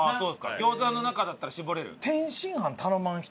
餃子の中だったら絞れる？